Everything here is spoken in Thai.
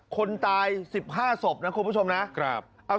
คนตาย๑๕ศพนะครับคุณผู้ชมนะครับครับ